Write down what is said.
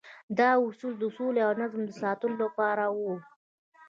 دا اصول د سولې او نظم د ساتلو لپاره وو.